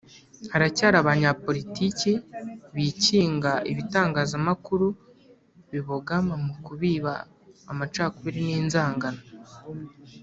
Haracyari abanyapolitiki bikinga ibitangazamakuru bibogama mu kubiba amacakubiri n’inzangano